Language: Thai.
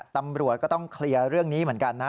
ตำรวจก็ต้องเคลียร์เรื่องนี้เหมือนกันนะ